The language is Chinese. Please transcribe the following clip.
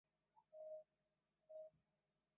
异叶郁金香是百合科郁金香属的植物。